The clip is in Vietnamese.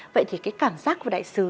vậy thì cái cảm giác của đại sứ